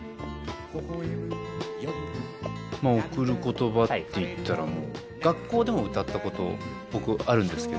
「贈る言葉」っていったら学校でも歌ったこと僕あるんですけど。